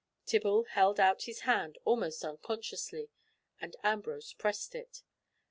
Tibble held out his hand almost unconsciously, and Ambrose pressed it.